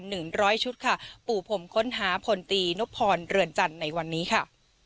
หนึ่งร้อยชุดค่ะปู่ผมค้นหาพลตีนพรเรือนจันทร์ในวันนี้ค่ะ